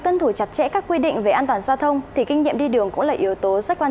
tuân thủ chặt chẽ các quy định về an toàn giao thông thì kinh nghiệm đi đường cũng là yếu tố rất quan